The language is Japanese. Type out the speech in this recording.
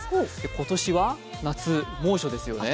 今年は夏、猛暑ですよね。